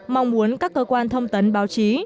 mong muốn các cơ quan thông tấn báo chí